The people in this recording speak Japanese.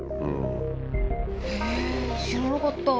へえ知らなかった！